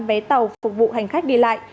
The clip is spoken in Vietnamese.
vé tàu phục vụ hành khách đi lại